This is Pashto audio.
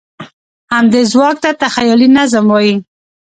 همدې ځواک ته تخیلي نظم وایي.